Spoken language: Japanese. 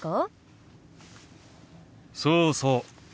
そうそう。